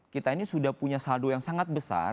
kita ini sudah punya saldo yang sangat besar